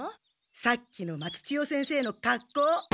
さっきの松千代先生のかっこう！